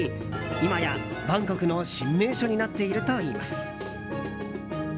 今やバンコクの新名所になっているといいます。